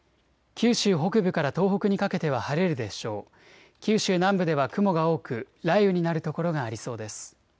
九州南部では雲が多く雷雨になる所がありそうです。